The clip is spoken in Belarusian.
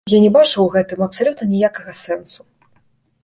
Я не бачу ў гэтым абсалютна ніякага сэнсу.